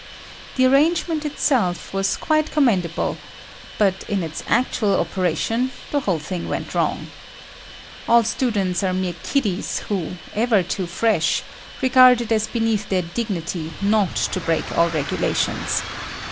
The arrangement itself was quite commendable, but in its actual operation the whole thing went wrong. All students are mere kiddies who, ever too fresh, regard it as beneath their dignity not to break all regulations.